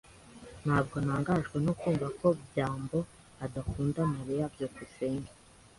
Ntabwo ntangajwe no kumva ko byambo adakunda Mariya. byukusenge